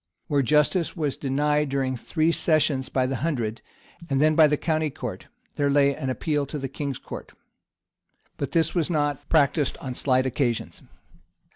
[] Where justice was denied during three sessions by the hundred, and then by the county court, there lay an appeal to the king's court;[] but this was not practised on slight occasions.